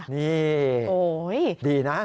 นี่ดีนะ